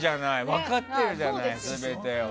分かってるじゃない、全てを。